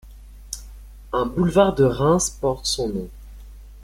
Un boulevard de Reims porte son nom.